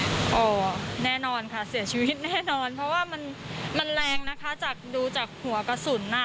อ๋อแน่นอนค่ะเสียชีวิตแน่นอนเพราะว่ามันมันแรงนะคะจากดูจากหัวกระสุนอ่ะ